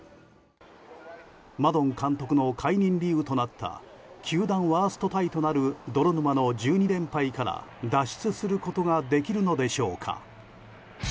マドン監督の解任理由となった球団ワーストタイとなる泥沼の１２連敗から脱出することができるのでしょうか。